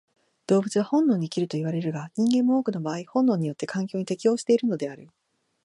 動物は本能に生きるといわれるが、人間も多くの場合本能によって環境に適応しているのである。